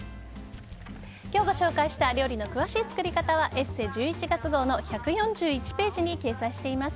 今日ご紹介した料理の詳しい作り方は「ＥＳＳＥ」１１月号の１４１ページに掲載しています。